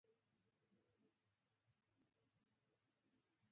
هغوی له خپلو بې وزلو ګاونډیو نه ډېره کرکه درلوده.